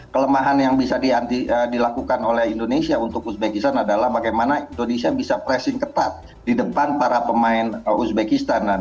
kelemahan yang bisa dilakukan oleh indonesia untuk uzbekistan adalah bagaimana indonesia bisa pressing ketat di depan para pemain uzbekistan